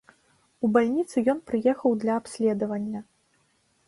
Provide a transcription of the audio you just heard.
У бальніцу ён прыехаў для абследавання.